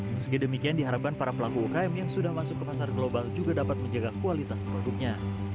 meski demikian diharapkan para pelaku ukm yang sudah masuk ke pasar global juga dapat menjaga kualitas produknya